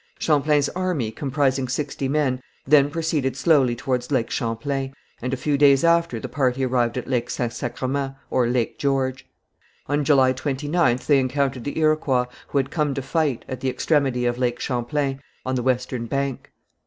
Champlain's army, comprising sixty men, then proceeded slowly towards Lake Champlain, and a few days after the party arrived at Lake St. Sacrament (Lake George). On July 29th they encountered the Iroquois, who had come to fight, at the extremity of Lake Champlain, on the western bank.